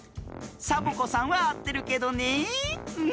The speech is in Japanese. サボ子さんはあってるけどねえ。